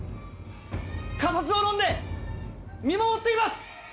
固唾を飲んで、見守っています。